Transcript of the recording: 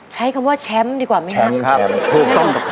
ใช้คำว่าแชมป์ดีกว่าไหมครับแชมป์ครับ